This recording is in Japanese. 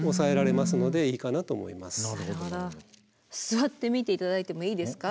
座ってみて頂いてもいいですか？